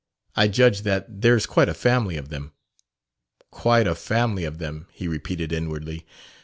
I judge that there's quite a family of them." "Quite a family of them," he repeated inwardly.